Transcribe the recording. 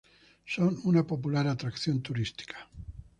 Son una popular atracción turística.